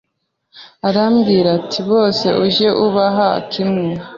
Arambwira ati bose ujye ububaha kimwe